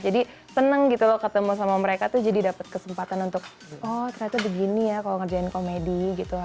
jadi seneng ketemu sama mereka jadi dapet kesempatan untuk oh ternyata begini ya kalau ngerjain komedi gitu